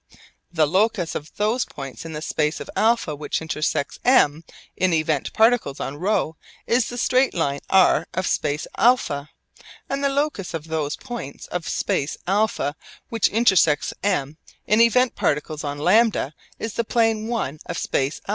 The locus of those points of the space of α which intersect M in event particles on ρ is the straight line r of space α, and the locus of those points of the space of α which intersect M in event particles on λ is the plane l of space α.